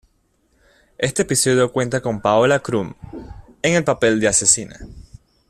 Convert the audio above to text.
Este episodio cuenta con Paola Krum, en el papel de asesina.